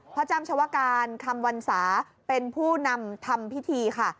จ้ำชาวการคำวรรษาเป็นผู้นำทำพิธีค่ะ